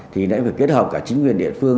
thì đã phải kết hợp cả chính quyền địa phương